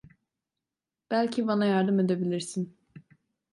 Belki bana yardım edebilirsin.